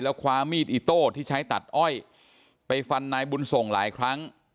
คว้ามีดอิโต้ที่ใช้ตัดอ้อยไปฟันนายบุญส่งหลายครั้ง